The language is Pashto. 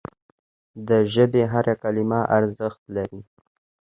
د ژبي هره کلمه ارزښت لري.